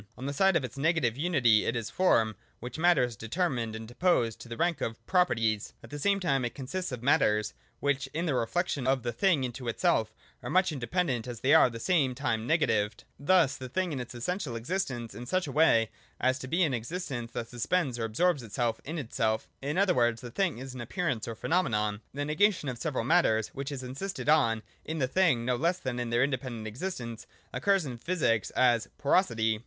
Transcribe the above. On the side of its negative unity it is Form in which Matter is determined and deposed to the rank of pro perties (§ 125). At the same time it consists of Matters, which in the reflection of the thing into itself are as much independent as they are at the same time negatived. Thus the thing is the essential existence, in such a way 238 THE DOCTRINE OF ESSENCE. [130 as to be an existence that suspends or absorbs itself in itself. In other words, the thing is an Appearance or Phenomenon. The negation of the several matters, which is insisted on in the thing no less than their independent existence, occurs in Physics as porosity.